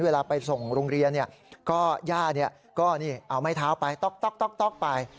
เวลาไปส่งโรงเรียนย่าก็เอาไม้เท้าไปต๊อกไป